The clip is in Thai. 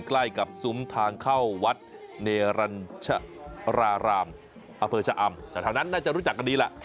ใกล้กับซุ้มทางเข้าวัดเนรัญชรารามอเภอชะอำแต่แถวนั้นน่าจะรู้จักกันดีแหละ